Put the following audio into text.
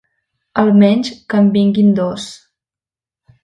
Almenys que en vinguin dos.